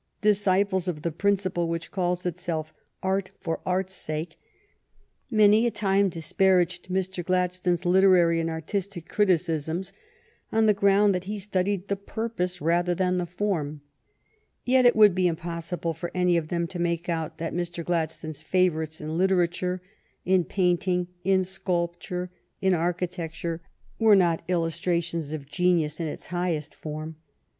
Disciples of the principle which calls itself " art for art's sake " many a time disparaged Mr. Gladstone's literary and artis tic criticisms on the ground that he studied the purpose rather than the form. Yet it would be impossible for any of them to make out that Mr. Gladstone's favorites in literature, in painting, in sculpture, and in architecture were not illustra GLADSTONE IN OFFICE 57 tions of genius in its highest form.